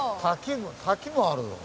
滝もあるぞ。